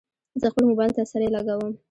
زه خپل موبایل ته سرۍ لګوم.